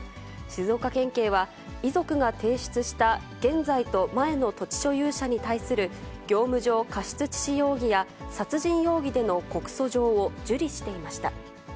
静岡県警は、遺族が提出した現在と前の土地所有者に対する業務上過失致死容疑や殺人容疑での告訴状を受理していました。